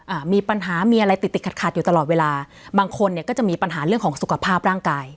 อ่ามีปัญหามีอะไรติดติดขัดขัดอยู่ตลอดเวลาบางคนเนี่ยก็จะมีปัญหาเรื่องของสุขภาพร่างกาย